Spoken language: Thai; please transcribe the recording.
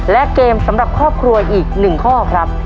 และเกมสำหรับครอบครัวอีก๑ข้อครับ